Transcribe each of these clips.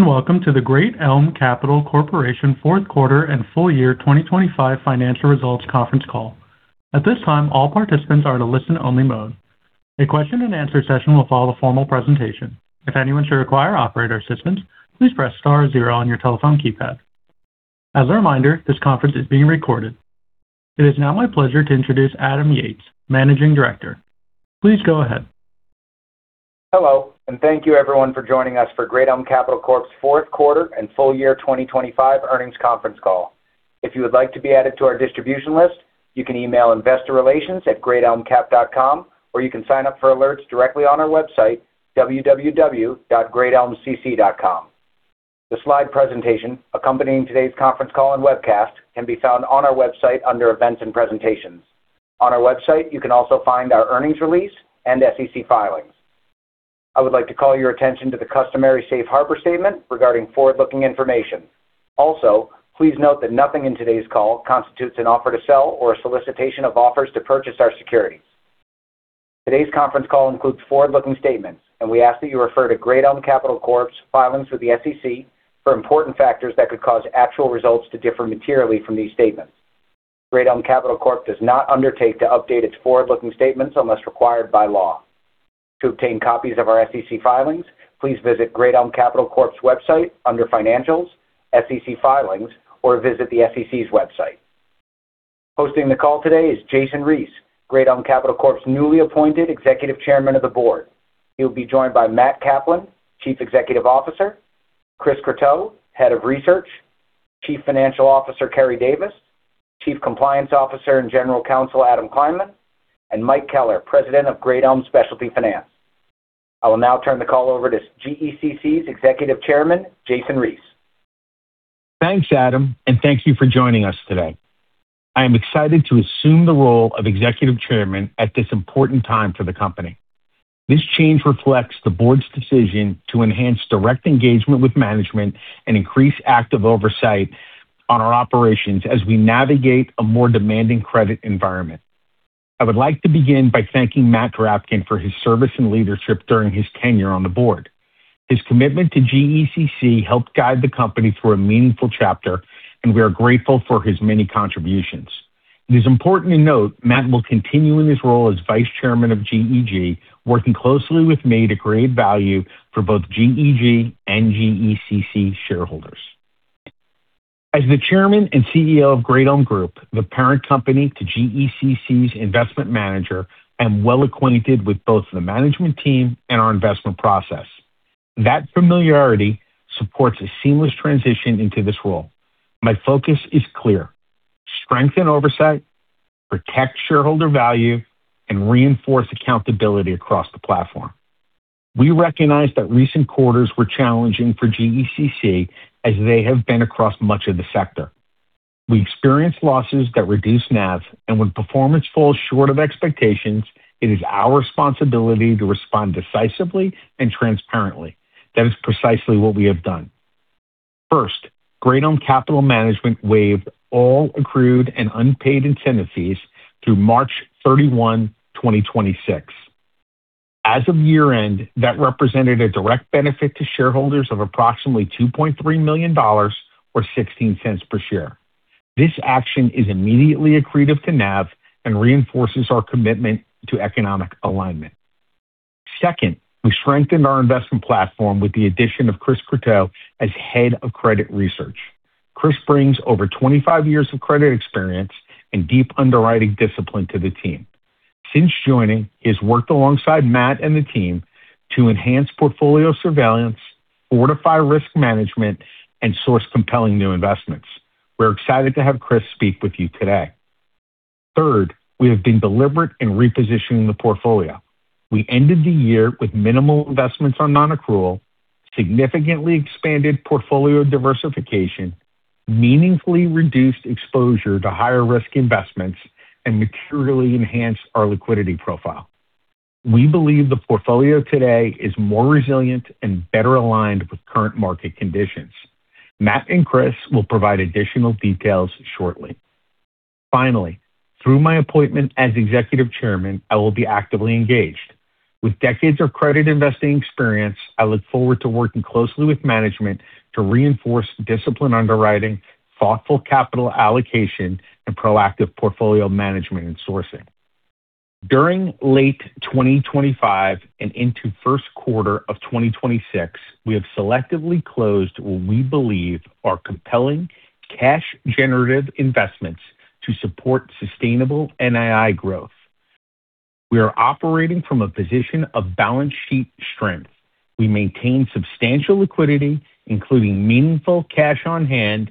Greetings, welcome to the Great Elm Capital Corporation fourth quarter and full year 2025 financial results conference call. At this time, all participants are in a listen-only mode. A question and answer session will follow the formal presentation. If anyone should require operator assistance, please press star zero on your telephone keypad. As a reminder, this conference is being recorded. It is now my pleasure to introduce Adam Yates, Managing Director. Please go ahead. Hello, and thank you everyone for joining us for Great Elm Capital Corp.'s fourth quarter and full year 2025 earnings conference call. If you would like to be added to our distribution list, you can email investorrelations@greatelmcap.com, or you can sign up for alerts directly on our website, www.greatelmcc.com. The slide presentation accompanying today's conference call and webcast can be found on our website under Events and Presentations. On our website, you can also find our earnings release and SEC filings. I would like to call your attention to the customary safe harbor statement regarding forward-looking information. Also, please note that nothing in today's call constitutes an offer to sell or a solicitation of offers to purchase our securities. Today's conference call includes forward-looking statements. We ask that you refer to Great Elm Capital Corp.'s filings with the SEC for important factors that could cause actual results to differ materially from these statements. Great Elm Capital Corp. does not undertake to update its forward-looking statements unless required by law. To obtain copies of our SEC filings, please visit Great Elm Capital Corp.'s website under Financials, SEC Filings, or visit the SEC's website. Hosting the call today is Jason Reese, Great Elm Capital Corp.'s newly appointed Executive Chairman of the Board. He'll be joined by Matt Kaplan, Chief Executive Officer, Chris Croteau, Head of Research, Chief Financial Officer Keri Davis, Chief Compliance Officer and General Counsel Adam Kleinman, and Mike Keller, President of Great Elm Specialty Finance. I will now turn the call over to GECC's Executive Chairman, Jason Reese. Thanks, Adam. Thank you for joining us today. I am excited to assume the role of Executive Chairman at this important time for the company. This change reflects the board's decision to enhance direct engagement with management and increase active oversight on our operations as we navigate a more demanding credit environment. I would like to begin by thanking Matthew Drapkin for his service and leadership during his tenure on the board. His commitment to GECC helped guide the company through a meaningful chapter, and we are grateful for his many contributions. It is important to note Matt will continue in his role as Vice Chairman of GEG, working closely with me to create value for both GEG and GECC shareholders. As the Chairman and CEO of Great Elm Group, the parent company to GECC's investment manager, I'm well acquainted with both the management team and our investment process. That familiarity supports a seamless transition into this role. My focus is clear: strengthen oversight, protect shareholder value, and reinforce accountability across the platform. We recognize that recent quarters were challenging for GECC, as they have been across much of the sector. We experienced losses that reduced NAV, and when performance falls short of expectations, it is our responsibility to respond decisively and transparently. That is precisely what we have done. First, Great Elm Capital Management waived all accrued and unpaid incentive fees through March 31, 2026. As of year-end, that represented a direct benefit to shareholders of approximately $2.3 million or $0.16 per share. This action is immediately accretive to NAV and reinforces our commitment to economic alignment. Second, we strengthened our investment platform with the addition of Chris Croteau as Head of Credit Research. Chris brings over 25 years of credit experience and deep underwriting discipline to the team. Since joining, he's worked alongside Matt and the team to enhance portfolio surveillance, fortify risk management, and source compelling new investments. We're excited to have Chris speak with you today. Third, we have been deliberate in repositioning the portfolio. We ended the year with minimal investments on non-accrual, significantly expanded portfolio diversification, meaningfully reduced exposure to higher-risk investments, and materially enhanced our liquidity profile. We believe the portfolio today is more resilient and better aligned with current market conditions. Matt and Chris will provide additional details shortly. Finally, through my appointment as Executive Chairman, I will be actively engaged. With decades of credit investing experience, I look forward to working closely with management to reinforce disciplined underwriting, thoughtful capital allocation, and proactive portfolio management and sourcing. During late 2025 and into first quarter of 2026, we have selectively closed what we believe are compelling cash-generative investments to support sustainable NII growth. We are operating from a position of balance sheet strength. We maintain substantial liquidity, including meaningful cash on hand,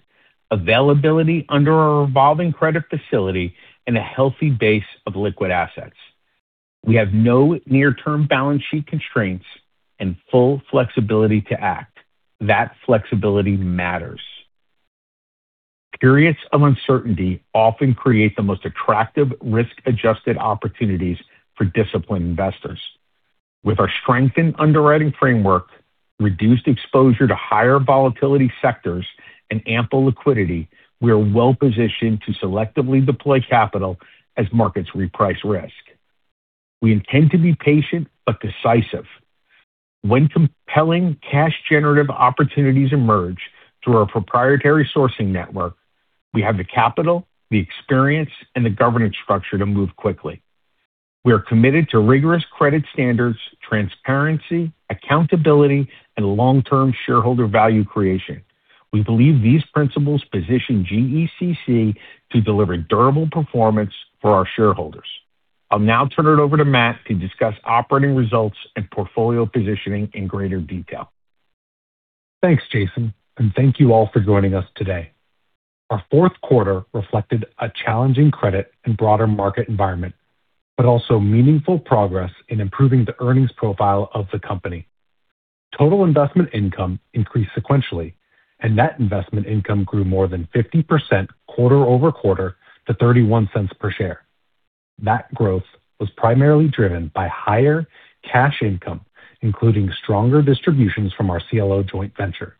availability under our revolving credit facility, and a healthy base of liquid assets. We have no near-term balance sheet constraints and full flexibility to act. That flexibility matters. Periods of uncertainty often create the most attractive risk-adjusted opportunities for disciplined investors. With our strengthened underwriting framework, reduced exposure to higher volatility sectors, and ample liquidity, we are well-positioned to selectively deploy capital as markets reprice risk. We intend to be patient but decisive. When compelling cash generative opportunities emerge through our proprietary sourcing network, we have the capital, the experience, and the governance structure to move quickly. We are committed to rigorous credit standards, transparency, accountability, and long-term shareholder value creation. We believe these principles position GECC to deliver durable performance for our shareholders. I'll now turn it over to Matt to discuss operating results and portfolio positioning in greater detail. Thanks, Jason. Thank you all for joining us today. Our fourth quarter reflected a challenging credit and broader market environment, also meaningful progress in improving the earnings profile of the company. Total investment income increased sequentially. Net investment income grew more than 50% quarter-over-quarter to $0.31 per share. That growth was primarily driven by higher cash income, including stronger distributions from our CLO joint venture.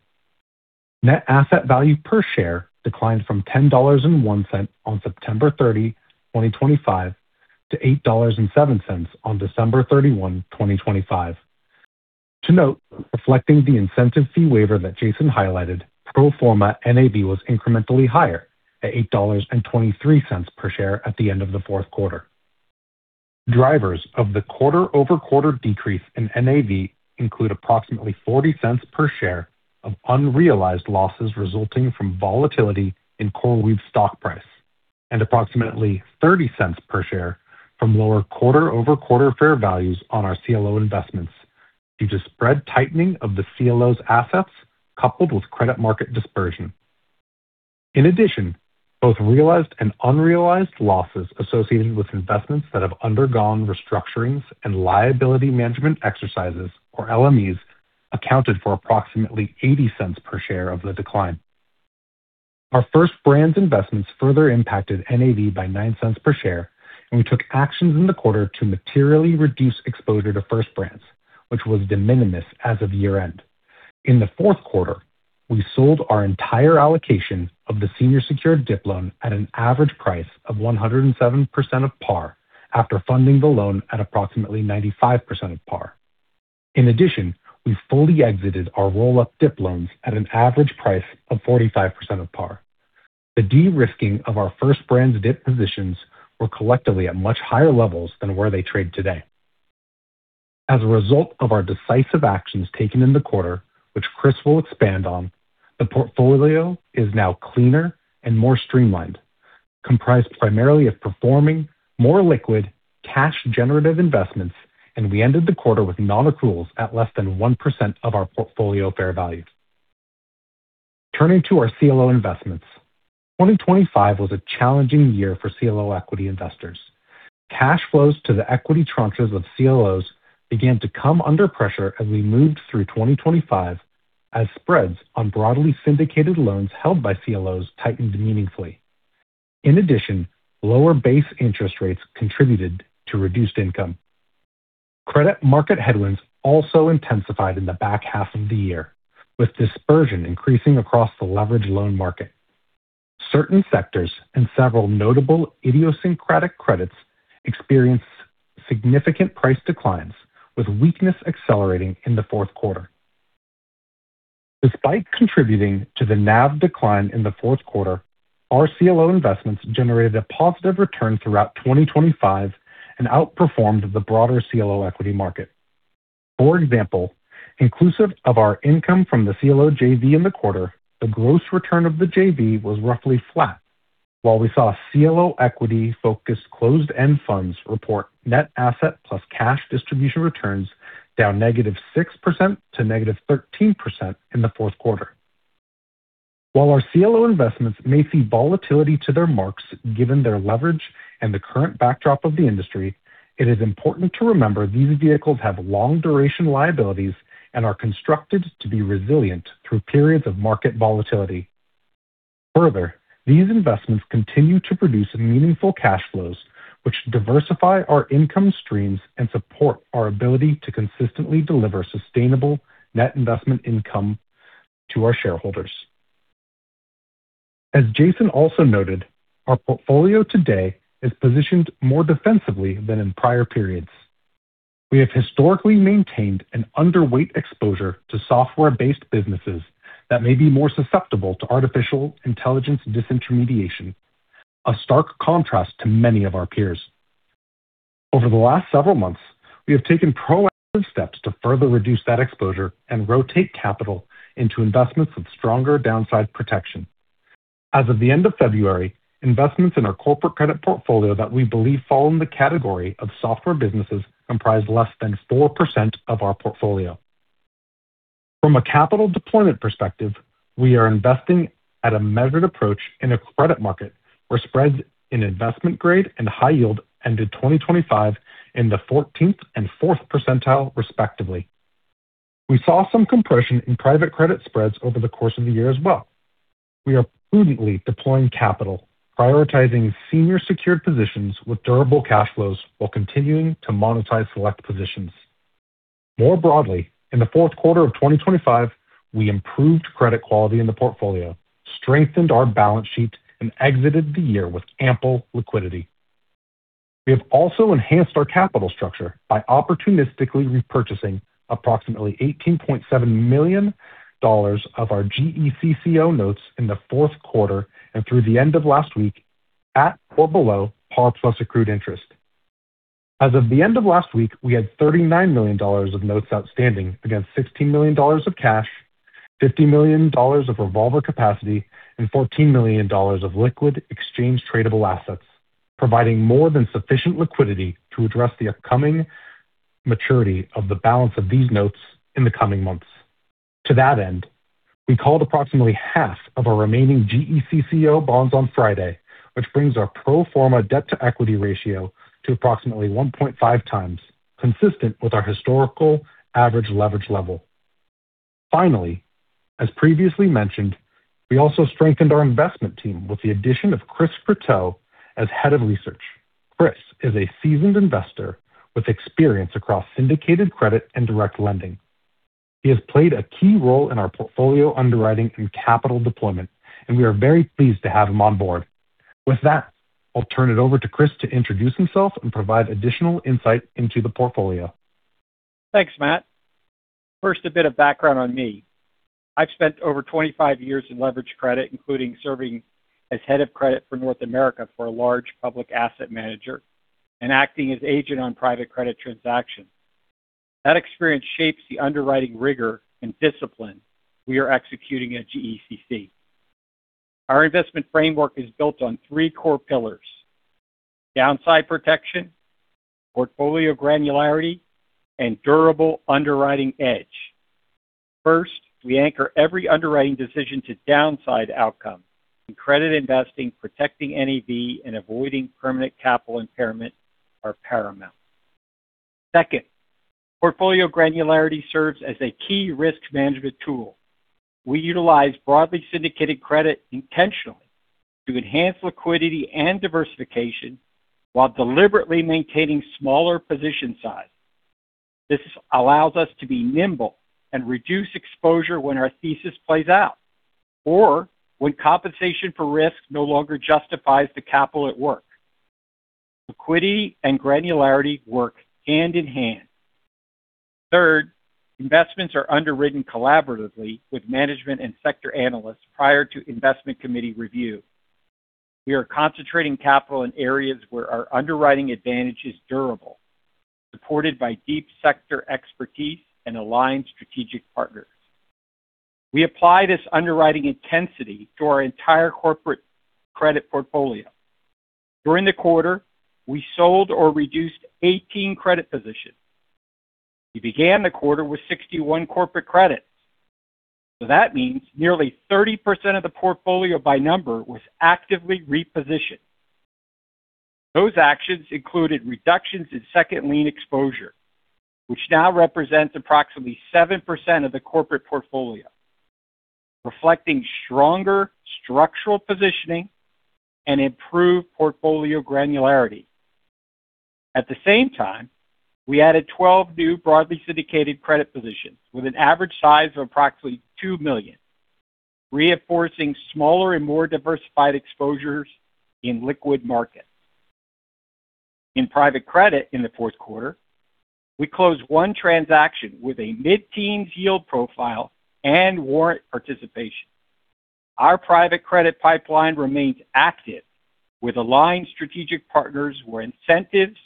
Net asset value per share declined from $10.01 on September 30, 2025 to $8.07 on December 31, 2025. To note, reflecting the incentive fee waiver that Jason highlighted, pro forma NAV was incrementally higher at $8.23 per share at the end of the fourth quarter. Drivers of the quarter-over-quarter decrease in NAV include approximately $0.40 per share of unrealized losses resulting from volatility in CoreWeave's stock price, and approximately $0.30 per share from lower quarter-over-quarter fair values on our CLO investments due to spread tightening of the CLO's assets coupled with credit market dispersion. In addition, both realized and unrealized losses associated with investments that have undergone restructurings and liability management exercises, or LMEs, accounted for approximately $0.80 per share of the decline. Our First Brands' investments further impacted NAV by $0.09 per share, and we took actions in the quarter to materially reduce exposure to First Brands, which was de minimis as of year-end. In the fourth quarter, we sold our entire allocation of the senior secured DIP loan at an average price of 107% of par after funding the loan at approximately 95% of par. In addition, we fully exited our roll-up DIP loans at an average price of 45% of par. The de-risking of our First Brands' DIP positions were collectively at much higher levels than where they trade today. As a result of our decisive actions taken in the quarter, which Chris will expand on, the portfolio is now cleaner and more streamlined, comprised primarily of performing more liquid cash generative investments, and we ended the quarter with non-accruals at less than 1% of our portfolio fair value. Turning to our CLO investments. 2025 was a challenging year for CLO equity investors. Cash flows to the equity tranches of CLOs began to come under pressure as we moved through 2025 as spreads on broadly syndicated loans held by CLOs tightened meaningfully. Lower base interest rates contributed to reduced income. Credit market headwinds also intensified in the back half of the year, with dispersion increasing across the leveraged loan market. Certain sectors and several notable idiosyncratic credits experienced significant price declines, with weakness accelerating in the fourth quarter. Despite contributing to the NAV decline in the fourth quarter, our CLO investments generated a positive return throughout 2025 and outperformed the broader CLO equity market. Inclusive of our income from the CLO JV in the quarter, the gross return of the JV was roughly flat. We saw CLO equity-focused closed-end funds report net asset plus cash distribution returns down -6% to -13% in the fourth quarter. Our CLO investments may see volatility to their marks, given their leverage and the current backdrop of the industry, it is important to remember these vehicles have long duration liabilities and are constructed to be resilient through periods of market volatility. These investments continue to produce meaningful cash flows, which diversify our income streams and support our ability to consistently deliver sustainable net investment income to our shareholders. As Jason Reese also noted, our portfolio today is positioned more defensively than in prior periods. We have historically maintained an underweight exposure to software-based businesses that may be more susceptible to artificial intelligence disintermediation, a stark contrast to many of our peers. Over the last several months, we have taken proactive steps to further reduce that exposure and rotate capital into investments with stronger downside protection. As of the end of February, investments in our corporate credit portfolio that we believe fall in the category of software businesses comprise less than 4% of our portfolio. From a capital deployment perspective, we are investing at a measured approach in a credit market where spreads in investment grade and high yield ended 2025 in the 14th and 4th percentile, respectively. We saw some compression in private credit spreads over the course of the year as well. We are prudently deploying capital, prioritizing senior secured positions with durable cash flows while continuing to monetize select positions. More broadly, in the fourth quarter of 2025, we improved credit quality in the portfolio, strengthened our balance sheet, and exited the year with ample liquidity. We have also enhanced our capital structure by opportunistically repurchasing approximately $18.7 million of our GECCO notes in the fourth quarter and through the end of last week at or below par plus accrued interest. As of the end of last week, we had $39 million of notes outstanding against $16 million of cash, $50 million of revolver capacity, and $14 million of liquid exchange tradable assets, providing more than sufficient liquidity to address the upcoming maturity of the balance of these notes in the coming months. To that end, we called approximately half of our remaining GECCO bonds on Friday, which brings our pro forma debt-to-equity ratio to approximately 1.5x, consistent with our historical average leverage level. As previously mentioned, we also strengthened our investment team with the addition of Chris Croteau as Head of Research. Chris is a seasoned investor with experience across syndicated credit and direct lending. He has played a key role in our portfolio underwriting and capital deployment, and we are very pleased to have him on board. With that, I'll turn it over to Chris to introduce himself and provide additional insight into the portfolio. Thanks, Matt. A bit of background on me. I've spent over 25 years in leverage credit, including serving as head of credit for North America for a large public asset manager and acting as agent on private credit transactions. That experience shapes the underwriting rigor and discipline we are executing at GECC. Our investment framework is built on three core pillars: downside protection, portfolio granularity, and durable underwriting edge. We anchor every underwriting decision to downside outcome. In credit investing, protecting NAV and avoiding permanent capital impairment are paramount. Portfolio granularity serves as a key risk management tool. We utilize broadly syndicated credit intentionally to enhance liquidity and diversification while deliberately maintaining smaller position size. This allows us to be nimble and reduce exposure when our thesis plays out or when compensation for risk no longer justifies the capital at work. Liquidity and granularity work hand in hand. Third, investments are underwritten collaboratively with management and sector analysts prior to investment committee review. We are concentrating capital in areas where our underwriting advantage is durable, supported by deep sector expertise and aligned strategic partners. We apply this underwriting intensity to our entire corporate credit portfolio. During the quarter, we sold or reduced 18 credit positions. We began the quarter with 61 corporate credits. That means nearly 30% of the portfolio by number was actively repositioned. Those actions included reductions in second lien exposure, which now represents approximately 7% of the corporate portfolio, reflecting stronger structural positioning and improved portfolio granularity. At the same time, we added 12 new broadly syndicated credit positions with an average size of approximately $2 million, reinforcing smaller and more diversified exposures in liquid markets. In private credit in the 4th quarter, we closed one transaction with a mid-teen yield profile and warrant participation. Our private credit pipeline remains active with aligned strategic partners where incentives,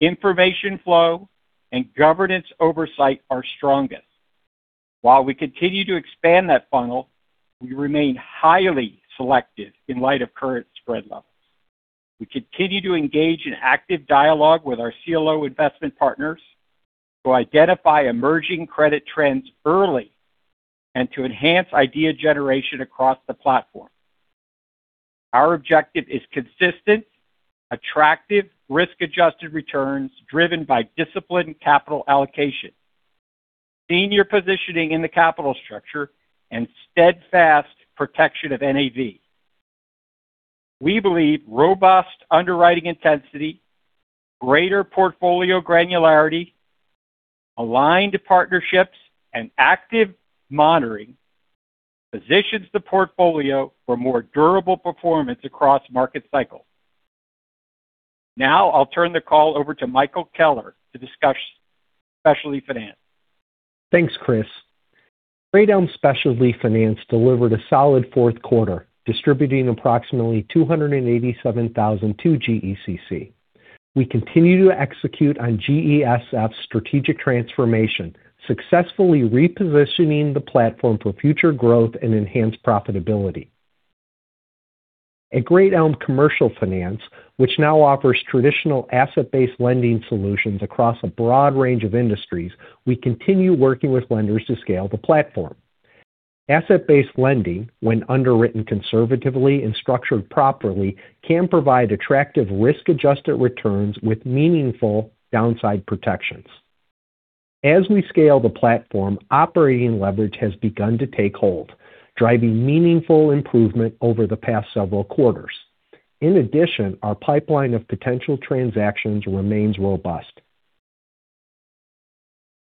information flow, and governance oversight are strongest. While we continue to expand that funnel, we remain highly selective in light of current spread levels. We continue to engage in active dialogue with our CLO investment partners to identify emerging credit trends early and to enhance idea generation across the platform. Our objective is consistent, attractive, risk-adjusted returns driven by disciplined capital allocation, senior positioning in the capital structure, and steadfast protection of NAV. We believe robust underwriting intensity, greater portfolio granularity, aligned partnerships, and active monitoring positions the portfolio for more durable performance across market cycles. I'll turn the call over to Michael Keller to discuss specialty finance. Thanks, Chris. Great Elm Specialty Finance delivered a solid fourth quarter, distributing approximately $287,000 to GECC. We continue to execute on GESF's strategic transformation, successfully repositioning the platform for future growth and enhanced profitability. At Great Elm Commercial Finance, which now offers traditional asset-based lending solutions across a broad range of industries, we continue working with lenders to scale the platform. Asset-based lending, when underwritten conservatively and structured properly, can provide attractive risk-adjusted returns with meaningful downside protections. As we scale the platform, operating leverage has begun to take hold, driving meaningful improvement over the past several quarters. In addition, our pipeline of potential transactions remains robust.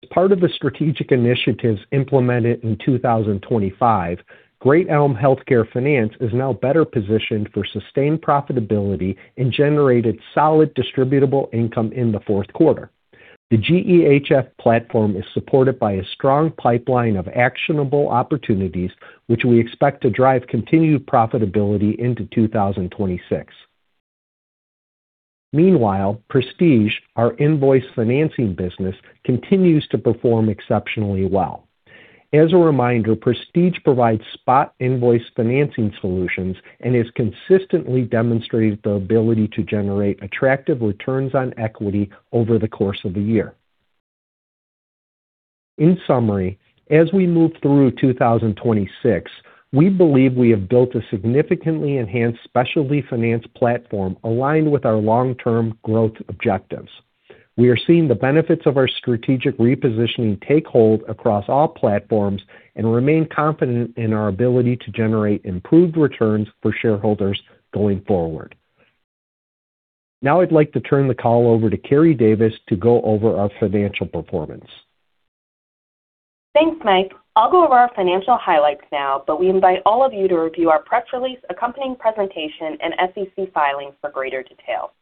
As part of the strategic initiatives implemented in 2025, Great Elm Healthcare Finance is now better positioned for sustained profitability and generated solid distributable income in the fourth quarter. The GEHF platform is supported by a strong pipeline of actionable opportunities, which we expect to drive continued profitability into 2026. Meanwhile, Prestige, our invoice financing business, continues to perform exceptionally well. As a reminder, Prestige provides spot invoice financing solutions and has consistently demonstrated the ability to generate attractive returns on equity over the course of the year. In summary, as we move through 2026, we believe we have built a significantly enhanced specialty finance platform aligned with our long-term growth objectives. We are seeing the benefits of our strategic repositioning take hold across all platforms and remain confident in our ability to generate improved returns for shareholders going forward. I'd like to turn the call over to Keri Davis to go over our financial performance. Thanks, Mike. I'll go over our financial highlights now. We invite all of you to review our press release, accompanying presentation, and SEC filings for greater detail.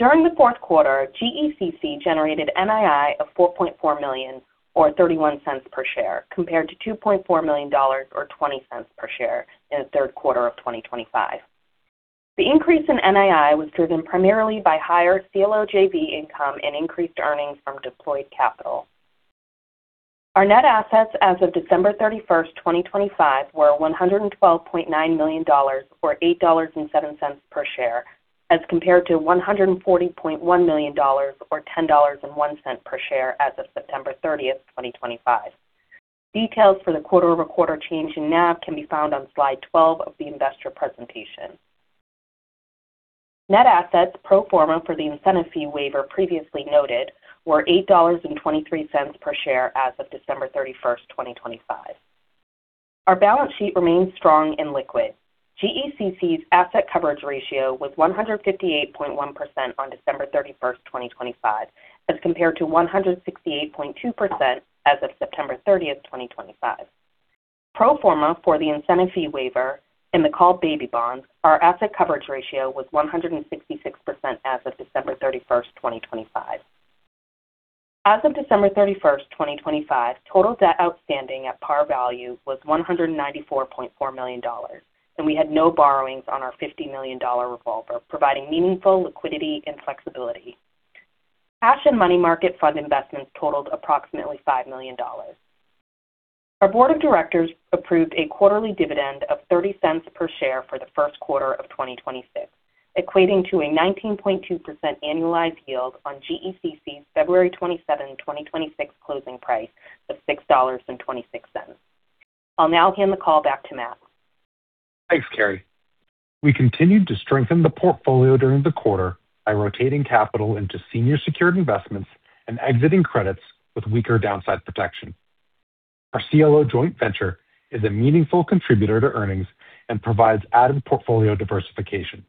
During the fourth quarter, GECC generated NII of $44.4 million or $0.31 per share, compared to $2.4 million or $0.20 per share in the third quarter of 2025. The increase in NII was driven primarily by higher CLO JV income and increased earnings from deployed capital. Our net assets as of December 31st, 2025 were $112.9 million or $8.07 per share, as compared to $140.1 million or $10.01 per share as of September 30th, 2025. Details for the quarter-over-quarter change in NAV can be found on slide 12 of the investor presentation. Net assets pro forma for the incentive fee waiver previously noted were $8.23 per share as of December 31st, 2025. Our balance sheet remains strong and liquid. GECC's asset coverage ratio was 158.1% on December 31st, 2025, as compared to 168.2% as of September 30th, 2025. Pro forma for the incentive fee waiver and the call baby bonds, our asset coverage ratio was 166% as of December 31st, 2025. As of December 31st, 2025, total debt outstanding at par value was $194.4 million, and we had no borrowings on our $50 million revolver, providing meaningful liquidity and flexibility. Cash and money market fund investments totaled approximately $5 million. Our board of directors approved a quarterly dividend of $0.30 per share for the first quarter of 2026, equating to a 19.2% annualized yield on GECC's February 27th, 2026 closing price of $6.26. I'll now hand the call back to Matt. Thanks, Keri. We continued to strengthen the portfolio during the quarter by rotating capital into senior secured investments and exiting credits with weaker downside protection. Our CLO joint venture is a meaningful contributor to earnings and provides added portfolio diversification.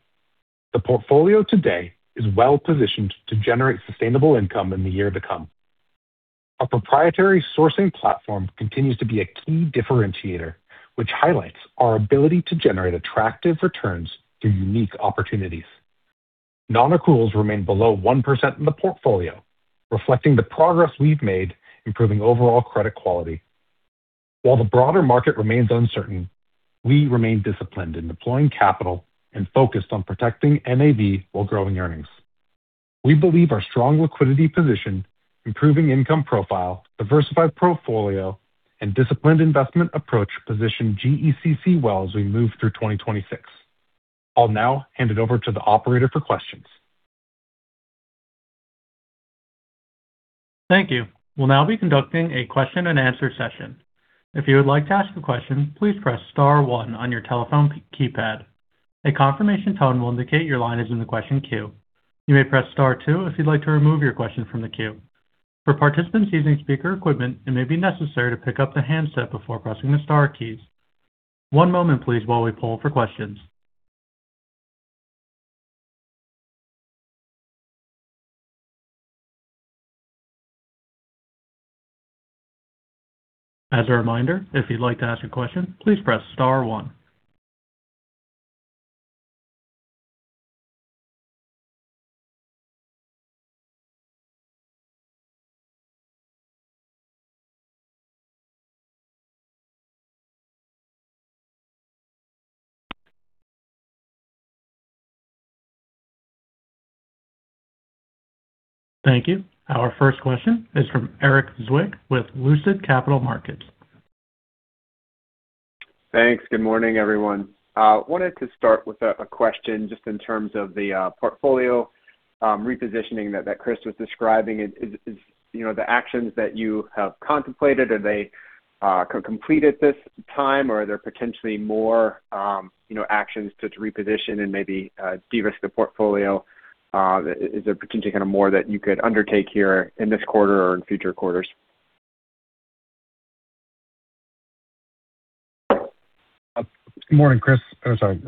The portfolio today is well-positioned to generate sustainable income in the year to come. Our proprietary sourcing platform continues to be a key differentiator, which highlights our ability to generate attractive returns through unique opportunities. Non-accruals remain below 1% in the portfolio, reflecting the progress we've made improving overall credit quality. While the broader market remains uncertain, we remain disciplined in deploying capital and focused on protecting NAV while growing earnings. We believe our strong liquidity position, improving income profile, diversified portfolio, and disciplined investment approach position GECC well as we move through 2026. I'll now hand it over to the operator for questions. Thank you. We'll now be conducting a question and answer session. If you would like to ask a question, please press star one on your telephone keypad. A confirmation tone will indicate your line is in the question queue. You may press star two if you'd like to remove your question from the queue. For participants using speaker equipment, it may be necessary to pick up the handset before pressing the star keys. One moment please while we poll for questions. As a reminder, if you'd like to ask a question, please press star one. Thank you. Our first question is from Eric Zwick with Lucid Capital Markets. Thanks. Good morning, everyone. Wanted to start with a question just in terms of the portfolio repositioning that Chris was describing. Is, you know, the actions that you have contemplated, are they completed this time or are there potentially more, you know, actions to reposition and maybe de-risk the portfolio? Is there potentially kind of more that you could undertake here in this quarter or in future quarters? Good morning, Chris. Or sorry.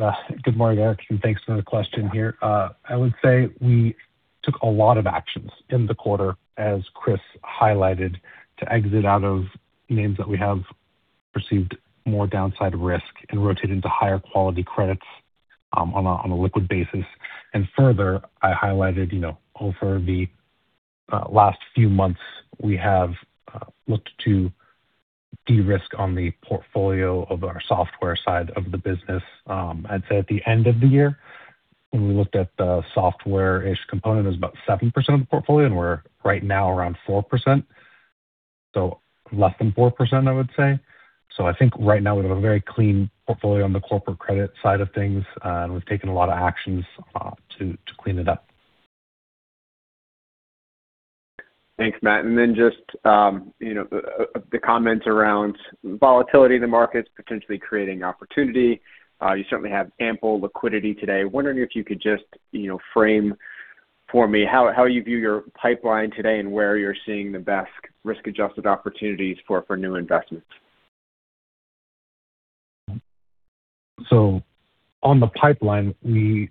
Good morning, Eric, and thanks for the question here. I would say we took a lot of actions in the quarter, as Chris highlighted, to exit out of names that we have perceived more downside risk and rotate into higher quality credits, on a, on a liquid basis. Further, I highlighted, you know, over the last few months, we have looked to de-risk on the portfolio of our software side of the business. I'd say at the end of the year, when we looked at the software-ish component, it was about 7% of the portfolio, and we're right now around 4%. Less than 4%, I would say. I think right now we have a very clean portfolio on the corporate credit side of things, and we've taken a lot of actions, to clean it up. Thanks, Matt. Then just, you know, the comments around volatility in the markets potentially creating opportunity. You certainly have ample liquidity today. Wondering if you could just, you know, frame for me how you view your pipeline today and where you're seeing the best risk-adjusted opportunities for new investments? On the pipeline, we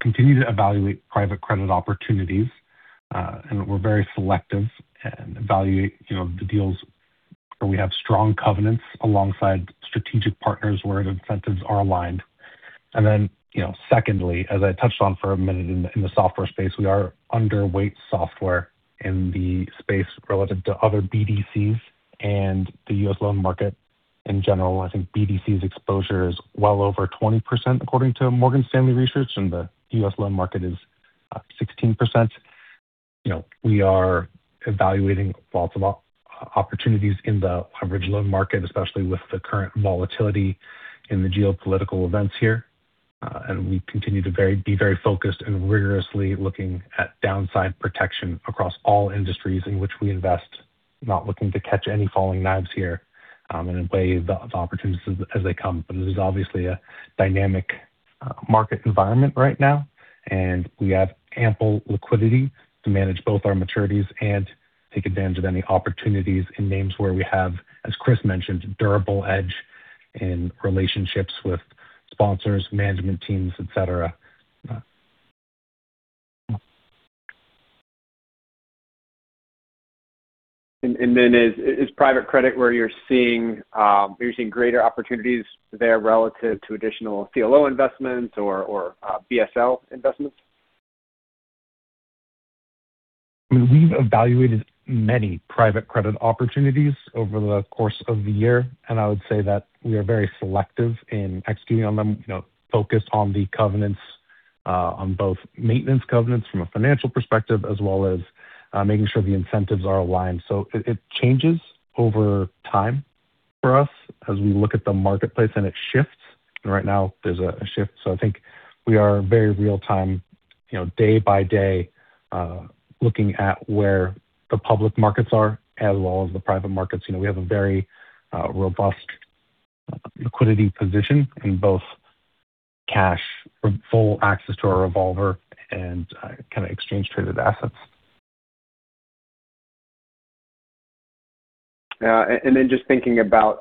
continue to evaluate private credit opportunities, and we're very selective and evaluate, you know, the deals where we have strong covenants alongside strategic partners where the incentives are aligned. You know, secondly, as I touched on for a minute in the, in the software space, we are underweight software in the space relative to other BDCs and the U.S. loan market in general. I think BDC's exposure is well over 20%, according to Morgan Stanley Research, and the U.S. loan market is 16%. We are evaluating lots of opportunities in the private loan market, especially with the current volatility in the geopolitical events here. And we continue to be very focused and rigorously looking at downside protection across all industries in which we invest. Not looking to catch any falling knives here, and weigh the opportunities as they come. This is obviously a dynamic market environment right now. We have ample liquidity to manage both our maturities and take advantage of any opportunities in names where we have, as Chris mentioned, durable edge in relationships with sponsors, management teams, et cetera. Then is private credit where you're seeing, where you're seeing greater opportunities there relative to additional CLO investments or BSL investments? We've evaluated many private credit opportunities over the course of the year. I would say that we are very selective in executing on them. You know, focused on the covenants, on both maintenance covenants from a financial perspective as well as, making sure the incentives are aligned. It changes over time for us as we look at the marketplace, and it shifts. Right now there's a shift. I think we are very real time, you know, day by day, looking at where the public markets are as well as the private markets. You know, we have a very robust liquidity position in both cash, full access to our revolver and, kinda exchange traded assets. Then just thinking about,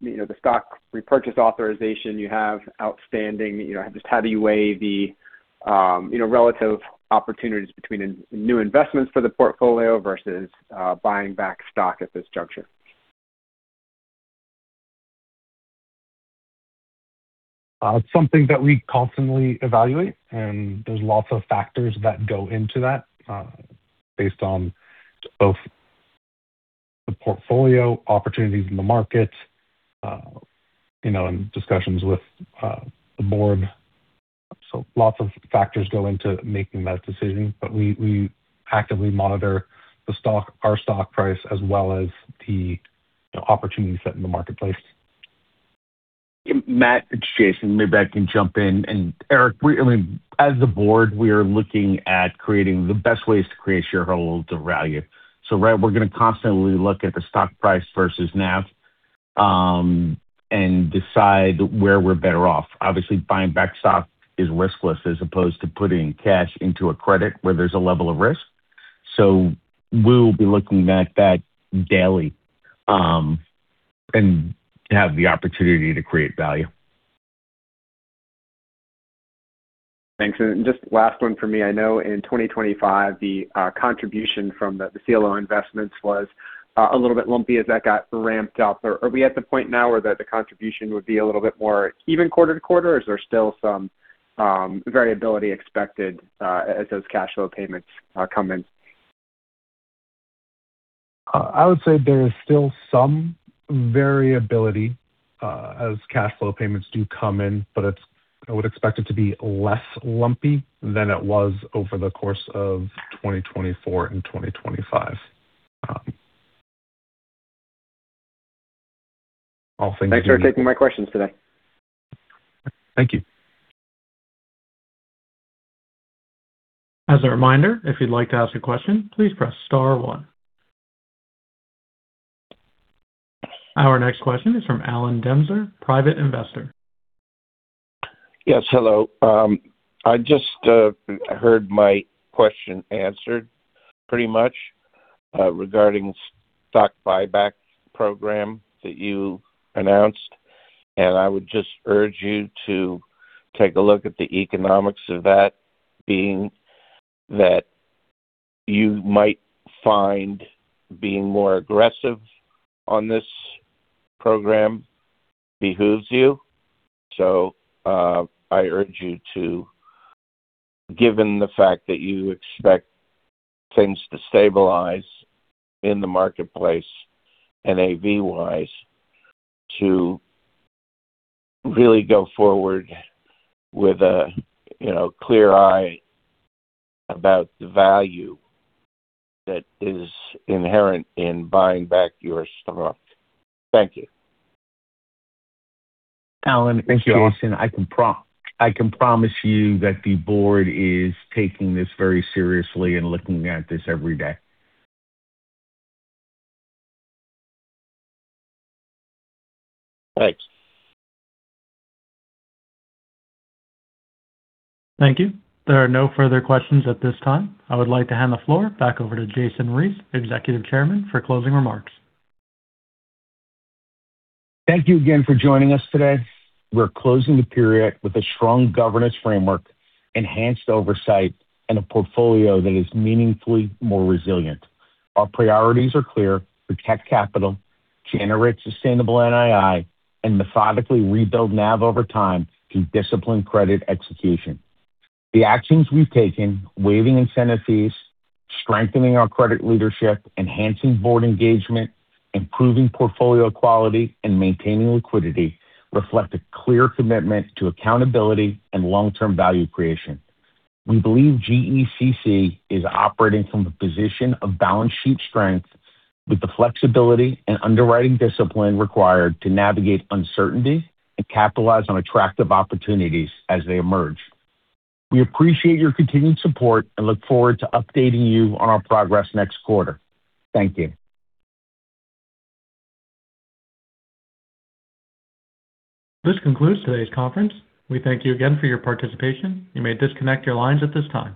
you know, the stock repurchase authorization you have outstanding. You know, just how do you weigh the, you know, relative opportunities between in new investments for the portfolio versus buying back stock at this juncture? It's something that we constantly evaluate, and there's lots of factors that go into that, based on both the portfolio opportunities in the market, you know, and discussions with the board. Lots of factors go into making that decision. We actively monitor the stock, our stock price as well as the opportunities set in the marketplace. Matt, it's Jason. Maybe I can jump in. Eric, as the board, we are looking at creating the best ways to create shareholder value. Right, we're gonna constantly look at the stock price versus NAV and decide where we're better off. Obviously, buying back stock is riskless as opposed to putting cash into a credit where there's a level of risk. We'll be looking at that daily and have the opportunity to create value. Thanks. Just last one for me. I know in 2025, the contribution from the CLO investments was a little bit lumpy as that got ramped up. Are we at the point now where the contribution would be a little bit more even quarter to quarter, or is there still some variability expected as those cash flow payments come in? I would say there is still some variability, as cash flow payments do come in, but I would expect it to be less lumpy than it was over the course of 2024 and 2025. Thanks for taking my questions today. Thank you. As a reminder, if you'd like to ask a question, please press star one. Our next question is from Alan Demzer, private investor. Yes. Hello. I just heard my question answered regarding stock buyback program that you announced, and I would just urge you to take a look at the economics of that you might find being more aggressive on this program behooves you. I urge you to, given the fact that you expect things to stabilize in the marketplace and NAV-wise to really go forward with a, you know, clear eye about the value that is inherent in buying back your stock. Thank you. Alan, it's Jason. I can promise you that the board is taking this very seriously and looking at this every day. Thanks. Thank you. There are no further questions at this time. I would like to hand the floor back over to Jason Reese, Executive Chairman, for closing remarks. Thank you again for joining us today. We're closing the period with a strong governance framework, enhanced oversight, and a portfolio that is meaningfully more resilient. Our priorities are clear: protect capital, generate sustainable NII, and methodically rebuild NAV over time through disciplined credit execution. The actions we've taken, waiving incentive fees, strengthening our credit leadership, enhancing board engagement, improving portfolio quality, and maintaining liquidity reflect a clear commitment to accountability and long-term value creation. We believe GECC is operating from a position of balance sheet strength with the flexibility and underwriting discipline required to navigate uncertainty and capitalize on attractive opportunities as they emerge. We appreciate your continued support and look forward to updating you on our progress next quarter. Thank you. This concludes today's conference. We thank you again for your participation. You may disconnect your lines at this time.